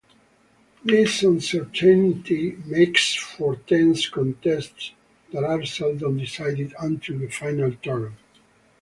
This uncertainty makes for tense contests that are seldom decided until the final turn.